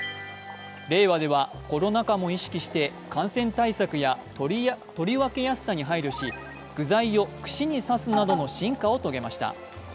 令和ではコロナ禍も意識して感染対策や取り分けやすさも意識して具材をくしに刺すなどの進化を遂げました。